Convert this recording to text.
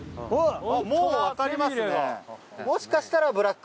もうわかりますね。